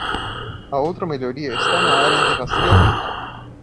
A outra melhoria está na área de rastreamento.